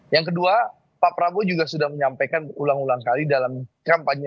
yang kedua pak prabowo juga sudah menyampaikan ulang ulang kali dalam kampanye